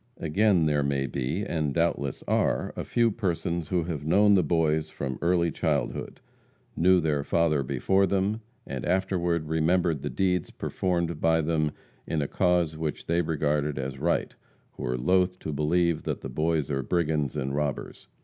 Again, there may be, and doubtless are, a few persons who have known the Boys from early childhood knew their father before them and afterward remembered the deeds performed by them in a cause which they regarded as right, who are loth to believe that the Boys are brigands and robbers.